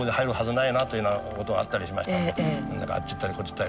何だかあっちいったりこっちいったり。